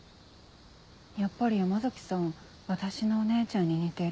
やっぱり山崎さん私のお姉ちゃんに似てる。